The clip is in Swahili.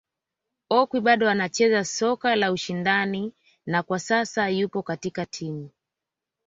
Okwi bado anacheza soka la ushindani na kwa sasa yupo katika timu